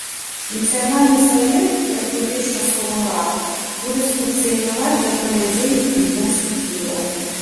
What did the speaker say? Нацыянальны савет, як і ўвесь часовы ўрад, будуць функцыянаваць да правядзення прэзідэнцкіх выбараў.